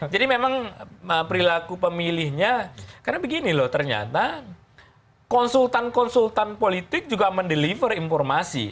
jadi memang perilaku pemilihnya karena begini loh ternyata konsultan konsultan politik juga mendeliver informasi